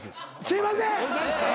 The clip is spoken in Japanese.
すいません！